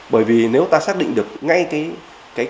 bởi vì nếu ta xác định được ngay cái